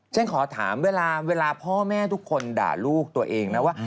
ฉันขอถามเวลาพ่อแม่ทุกคนด่าลูกตัวเองนะว่า